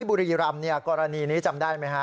บุรีรำกรณีนี้จำได้ไหมฮะ